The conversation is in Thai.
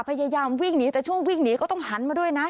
พยายามวิ่งหนีแต่ช่วงวิ่งหนีก็ต้องหันมาด้วยนะ